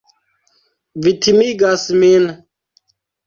Vi timigas min.